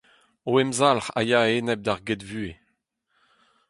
Ho emzalc'h a ya a-enep d'ar gedvuhez.